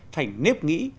thành nếp nghĩ